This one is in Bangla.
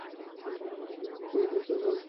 এমন সময় হঠাৎ করে দুই দিক থেকে চলে আসে দুটি ট্রেন।